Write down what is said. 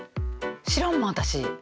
知らんもん私。